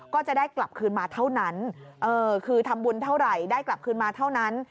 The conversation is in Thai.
ก็จะได้กลับคืนมาเท่านั้นคือทำบุญเท่าไหร่ได้กลับคืนมาเท่านั้น